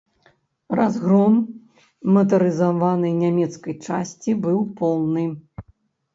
Разгром матарызаванай нямецкай часці быў поўны.